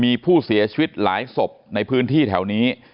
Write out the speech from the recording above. มีผู้เสียชีวิตหลายศพในพื้นที่แถวนี้